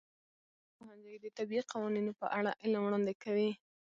د فزیک پوهنځی د طبیعي قوانینو په اړه علم وړاندې کوي.